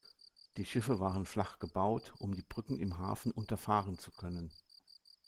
Die Schiffe waren flach gebaut, um die Brücken im Hafen unterfahren zu können.